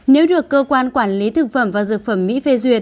nếu được cơ quan quản lý thực phẩm và dược phẩm mỹ phê duyệt